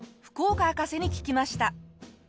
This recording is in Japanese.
福岡博士に聞きました。